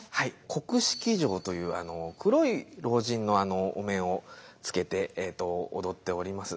黒色尉という黒い老人のお面をつけて踊っております。